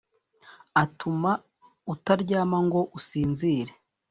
atuma utaryama ngo usinzire